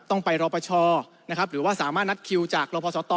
ต้องไปรอปชหรือว่าสามารถนัดคิวจากรอปชต